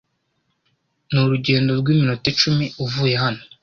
Ni urugendo rw'iminota icumi uvuye hano.